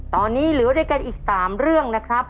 ตอนนี้เหลือด้วยกันอีก๓เรื่องนะครับ